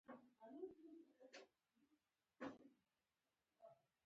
انصاف د ټولنې د ثبات او ارامۍ لامل دی.